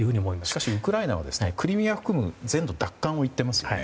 しかしウクライナはクリミアを含む全土奪還を言っていますよね。